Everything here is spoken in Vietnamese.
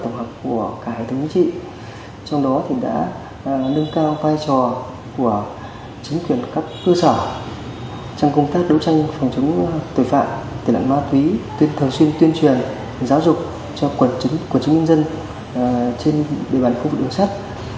nhằm phát hiện tối xác của tội phạm và đấu tranh phòng chống tội phạm trên tuyến đường sắt